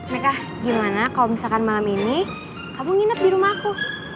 meka gimana kalau misalkan malam ini kamu nginep di rumah aku